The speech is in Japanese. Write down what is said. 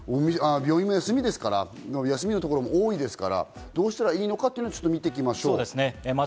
その先で病院も休みのところが多いですから、どうしたらいいのか見ていきましょう。